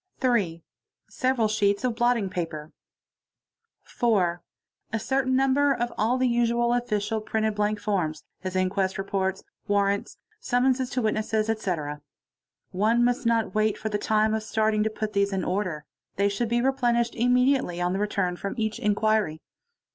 3. Several sheets of blotting paper. 4, A certain number of all the usual official printed blank forms, as quest reports, warrants, summonses to witnesses, etc. One must not b for the time of starting to put these in order; they should be Riches immediately on the return from each inquiry.